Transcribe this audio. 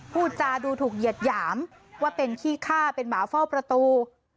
พูดจาดูถูกเหยียดหยามว่าเป็นขี้ฆ่าเป็นหมาเฝ้าประตู